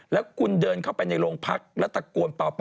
แล้วกูเดินเข้าไปในหลงพักแล้วตะกวน